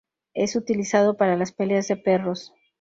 Es utilizado para las peleas de perros.